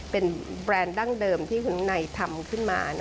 เป็นแบรนด์ดั้งเดิมที่คุณข้างในทำขึ้นมา